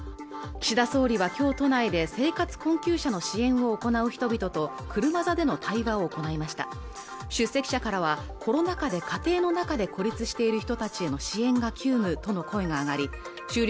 岸田総理はきょう都内で生活困窮者の支援を行う人々と車座での対話を行いました出席者からはコロナ禍で家庭の中で孤立している人たちへの支援が急務との声が上がり終了